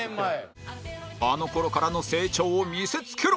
あの頃からの成長を見せつけろ！